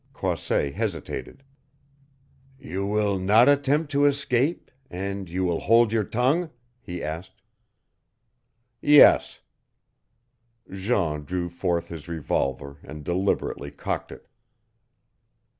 Croisset hesitated. "You will not attempt to escape and you will hold your tongue?" he asked. "Yes." Jean drew forth his revolver and deliberately cocked it.